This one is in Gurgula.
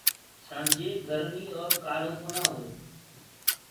سآنجي گرمي اور کآڙهو ڪونآ هوئي۔